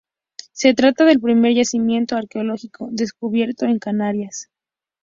Se trata del primer yacimiento arqueológico descubierto en Canarias.